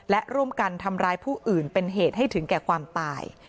และร่วมกันทำร้ายผู้อื่นเป็นเหตุให้ถึงแก่ความตาย